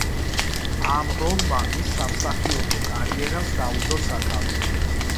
ამ როლმა მის სამსახიობო კარიერას დაუდო სათავე.